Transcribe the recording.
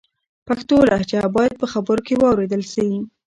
پښتو لهجه باید په خبرو کې و اورېدل سي.